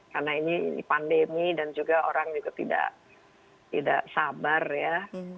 karena ini pandemi dan juga orang juga tidak sabar ya